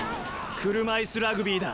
車いすラグビーだ。